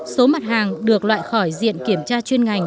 số mặt hàng được loại khỏi diện kiểm tra chuyên ngành